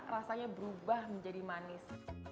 rasanya berubah menjadi manis